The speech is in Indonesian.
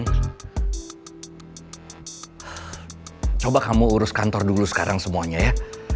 hah coba kamu urus kantor dulu sekarang semuanya ya